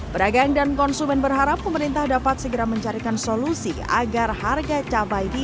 pedagang dan konsumen berharap pemerintah dapat segera mencarikan solusi agar harga cabai di